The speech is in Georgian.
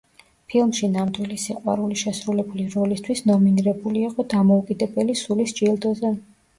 ფილმში „ნამდვილი სიყვარული“ შესრულებული როლისთვის ნომინირებული იყო დამოუკიდებელი სულის ჯილდოზე.